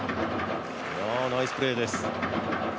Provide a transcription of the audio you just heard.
ナイスプレーです。